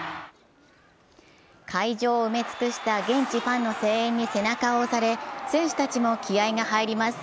会場を埋め尽くした現地ファンの声援に背中を押され選手たちも気合いが入ります。